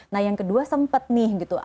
nah yang kedua sempet nih gitu